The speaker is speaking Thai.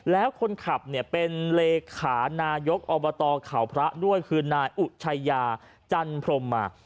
แล้วคนขับเนี่ยเป็นเลขานายกอบตเขาพระด้วยคือนายอุชัยยาจันพรมมา